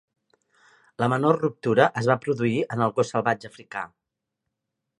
La menor ruptura es va produir en el gos salvatge africà.